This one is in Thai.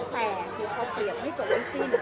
แต่คือพอเปรียบให้จบไม่สิ้น